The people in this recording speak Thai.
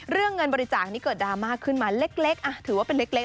เรื่องเงินบริจาคนี้เกิดดราม่าขึ้นมาเล็กถือว่าเป็นเล็ก